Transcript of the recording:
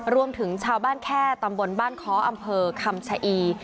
รวมถึงชาวบ้านแค่ตำบลบ้านค้ออำเภอคำชะอี